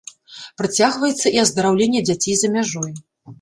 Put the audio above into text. Працягваецца і аздараўленне дзяцей за мяжой.